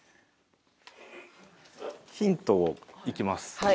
ヒントいきます。